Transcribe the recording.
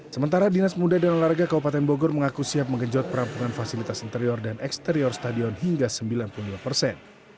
sementara dinas muda dan olahraga kabupaten bogor mengaku siap mengejot perampungan fasilitas interior dan eksterior stadion hingga sembilan puluh lima persen